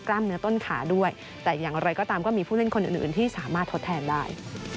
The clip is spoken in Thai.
คนอื่นที่สามารถทดแทนได้